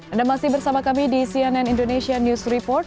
anda masih bersama kami di cnn indonesia news report